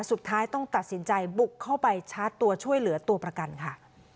สุดท้ายต้องตัดสินใจบุกเข้าไปชาร์จตัวช่วยเหลือตัวประกันค่ะ